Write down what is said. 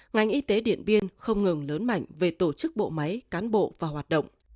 ngành y tế điện biên không ngừng lớn mạnh về tổ chức bộ máy cán bộ và hoạt động